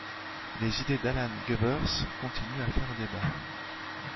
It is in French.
Les idées d'Alan Gewirth continuent à faire débat.